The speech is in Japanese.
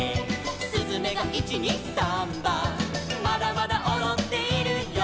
「すずめが１・２・サンバ」「まだまだおどっているよ」